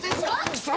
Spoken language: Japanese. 貴様。